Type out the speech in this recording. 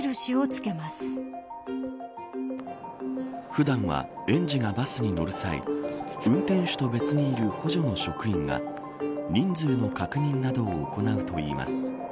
普段は園児がバスに乗る際運転手と別にいる補助の職員が人数の確認などを行うといいます。